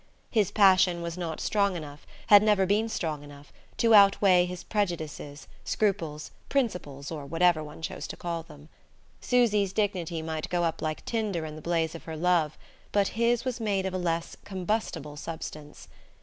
His passion was not strong enough had never been strong enough to outweigh his prejudices, scruples, principles, or whatever one chose to call them. Susy's dignity might go up like tinder in the blaze of her love; but his was made of a less combustible substance.